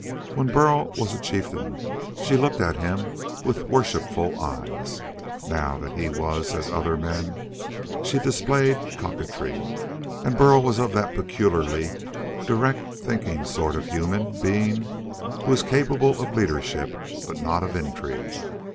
When Burl was a chieftain, she looked at him with worshipful eyes. Now that he was as other men, she displayed coquetry. And Burl was of that peculiarly direct thinking sort of human being who is capable of leadership but not of intrigue.